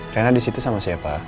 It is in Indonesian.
rena disitu sama siapa